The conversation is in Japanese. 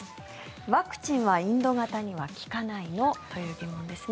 ワクチンはインド型には効かないの？という疑問ですね。